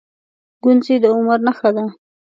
گونځې د عمر نښه ده.